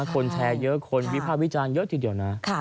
คนแชร์เยอะคนวิภาควิจารณ์เยอะทีเดียวนะ